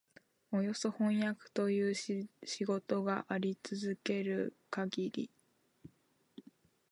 およそ飜訳という仕事があり続けるかぎり、